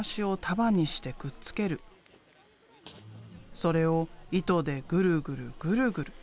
それを糸でぐるぐるぐるぐる。